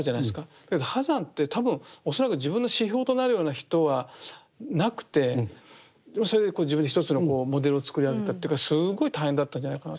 だけど波山って多分恐らく自分の指標となるような人はなくてそれで自分で一つのモデルをつくり上げたというかすごい大変だったんじゃないかなと思うんです。